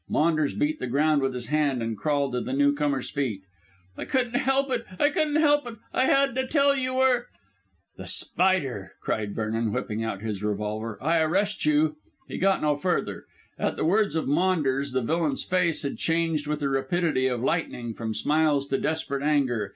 Maunders beat the ground with his hands and crawled to the newcomer's feet. "I couldn't help it; I couldn't help it. I had to tell you were " "The Spider," cried Vernon, whipping out his revolver. "I arrest you in " He got no further. At the words of Maunders the villain's face had changed with the rapidity of lightning from smiles to desperate anger.